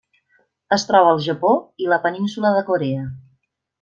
Es troba al Japó i la península de Corea.